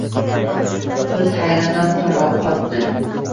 Qiz hayratdan tong qotdi